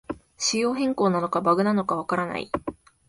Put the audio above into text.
仕様変更なのかバグなのかわからない